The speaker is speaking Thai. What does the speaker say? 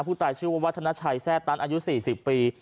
ผู้ตายชื่อว่าวัฒนาชัยแทร่ตันอายุ๔๐ปี